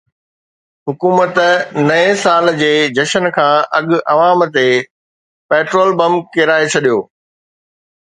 حڪومت نئين سال جي جشن کان اڳ عوام تي پيٽرول بم ڪيرائي ڇڏيو